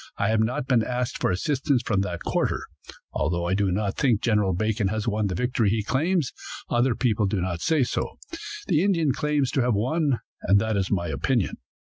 I have not been asked for assistance from that quarter. Although I do not think General Bacon has won the victory he claims, other people do not say so. The Indians claim to have won, and that is my opinion.